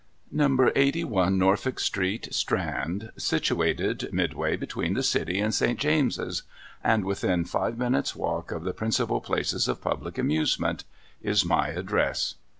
Number Eighty one Norfolk Street, Strand — situated midway between the City and St. James's, and within five minutes' walk of the principal places of public amusement — is my address.